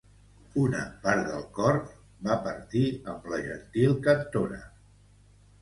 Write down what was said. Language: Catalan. Una part del cor de Mercedes va partir amb la gentil cantora.